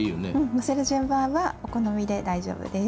載せる順番もお好みで大丈夫です。